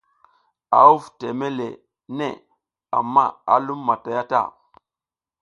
A huv teme le neʼe amma a lum matay a ta.